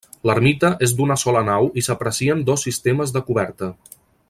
L'ermita és d'una sola nau i s'aprecien dos sistemes de coberta.